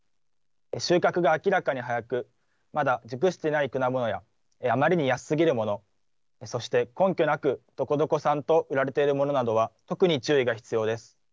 収穫が明らかに早く、まだ熟していない果物や、あまりに安すぎるもの、そして、根拠なくどこどこ産と売られているものなどは、特に注意が必要です。